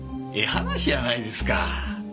話やないですか。